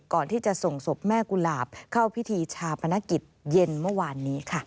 ก่อนที่จะส่งศพแม่กุหลาบเข้าพิธีชาปนกิจเย็นเมื่อวานนี้ค่ะ